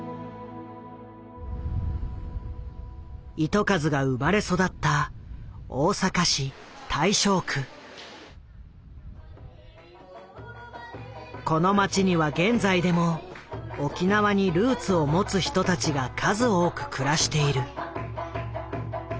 糸数が生まれ育ったこの街には現在でも沖縄にルーツを持つ人たちが数多く暮らしている。